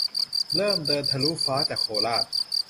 - เริ่ม เดินทะลุฟ้า จากโคราช